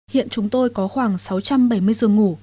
hiện chúng tôi có khoảng sáu trăm bảy mươi giường ngủ